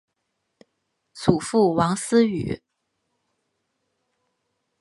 祖父王思与。